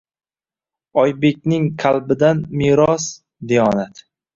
Oybekning qalbidan meros diyonat.